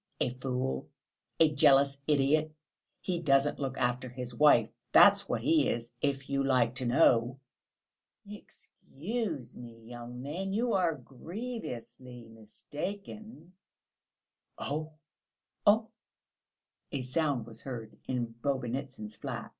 "A fool! A jealous idiot! He doesn't look after his wife! That's what he is, if you like to know!" "Excuse me, young man, you are grievously mistaken...." "Oh!" "Oh!" A sound was heard in Bobynitsyn's flat.